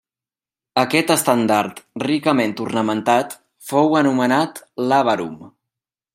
Aquest estendard ricament ornamentat fou anomenat làbarum.